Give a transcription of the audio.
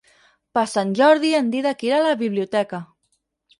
Per Sant Jordi en Dídac irà a la biblioteca.